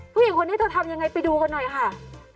ผู้หญิงคนนี้เธอทำอย่างไรไปดูเขาหน่อยค่ะ